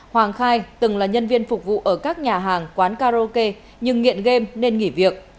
hoàng khai từng là nhân viên phục vụ ở các nhà hàng quán karaoke nhưng nghiện game nên nghỉ việc